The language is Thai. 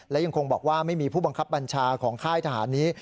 และยังคงบอกว่าไม่มีผู้บังคับบัญชาของค่ายทหารนี้